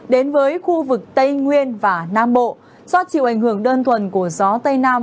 đến với khu vực tây nguyên và nam bộ do chịu ảnh hưởng đơn thuần của gió tây nam